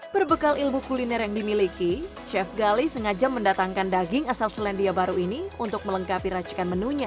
berbekal ilmu kuliner yang dimiliki chef gali sengaja mendatangkan daging asal selandia baru ini untuk melengkapi racikan menunya